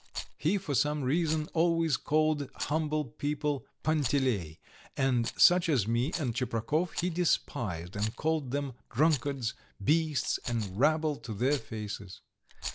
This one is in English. He, for some reason, always called humble people Panteley, and such as me and Tcheprakov he despised, and called them drunkards, beasts, and rabble to their faces.